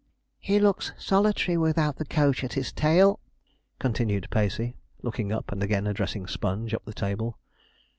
'He looks solitary without the coach at his tail,' continued Pacey, looking up, and again addressing Sponge up the table.